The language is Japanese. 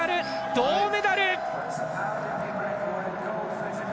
銅メダル！